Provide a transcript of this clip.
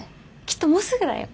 きっともうすぐだよ。